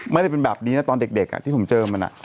ไม่ได้เป็นแบบนี้นะตอนเด็กที่ผมเจอมัน